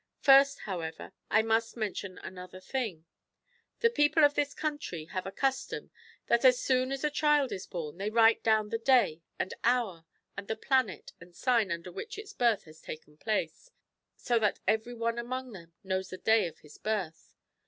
First, however, I must mention another thing. The people of this country have a custom, that as soon as a child is born they write down tlie day and hour and the planet and sign under which its birth has taken place ; so that every one among them knows the day of his birth.